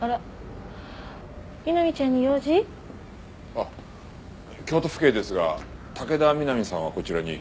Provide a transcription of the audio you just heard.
あっ京都府警ですが武田美波さんはこちらに？